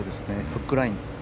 フックライン。